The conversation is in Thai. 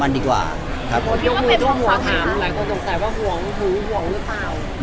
พี่ก็เป็นหัวถามหลายคนสงสัยว่าห่วงหัวหัวหรือเปล่า